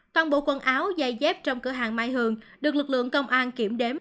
toàn bộ quần áo giày dép trong cửa hàng mai hường được lực lượng công an kiểm đếm